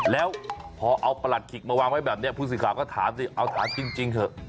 แล้วพอเอาประหลัดขิกมาวางไว้แบบนี้ผู้สื่อข่าวก็ถามสิเอาถามจริงเถอะ